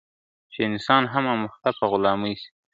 چي انسان هم آموخته په غلامۍ سي ..